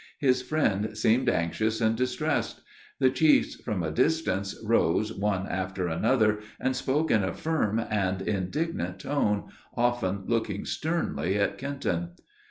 His friend seemed anxious and distressed. The chiefs from a distance rose one after another, and spoke in a firm and indignant tone, often looking sternly at Kenton.